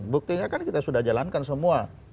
buktinya kan kita sudah jalankan semua